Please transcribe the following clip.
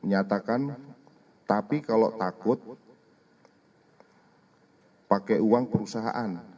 menyatakan tapi kalau takut pakai uang perusahaan